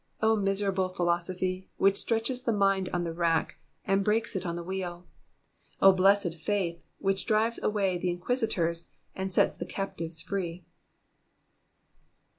O miserable philosophy, which stretches the mind on the rack, and breaks it on the wheel ! O blessed faith, which drives away the inquisitors, and sets the captives free